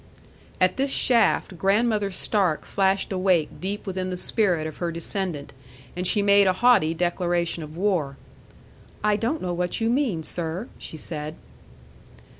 At this shaft, Grandmother Stark flashed awake deep within the spirit of her descendant, and she made a haughty declaration of war. "I don't know what you mean, sir," she said.